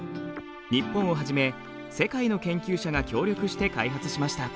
日本をはじめ世界の研究者が協力して開発しました。